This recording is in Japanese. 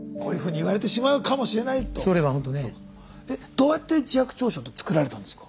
どうやって自白調書って作られたんですか？